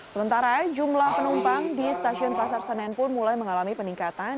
sementara jumlah penumpang di stasiun pasar senen pun mulai mengalami peningkatan